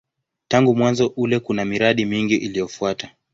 Tangu mwanzo ule kuna miradi mingi iliyofuata.